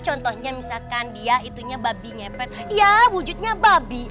contohnya misalkan dia itunya babi ngepet ya wujudnya babi